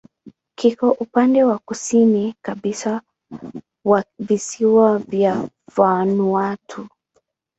Kiko upande wa kusini kabisa wa visiwa vya Vanuatu.